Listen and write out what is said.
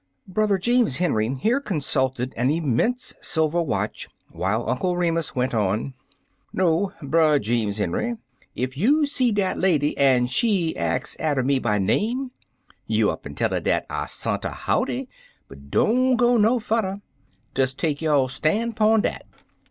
Brother Jeems Henry here consulted an immense silver watch, while Uncle Remus went on: — No, Brer Jeems Henry; ef you see dat lady, en she ax atter me by name, you up'n tell 'er dat I sont 'er howdy, but don't go no fudder; des take yo' stan' 'pun dat.